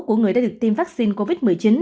của người đã được tiêm vaccine covid một mươi chín